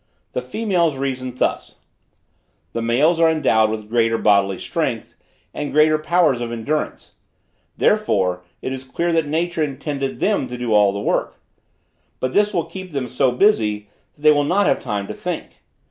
The females reason thus: The males are endowed with greater bodily strength, and greater powers of endurance; therefore, it is clear that nature intended them to do all the work. But this will keep them so busy, that they will not have time to think.